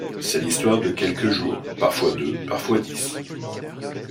C’est l’histoire de quelques jours, parfois deux, parfois dix.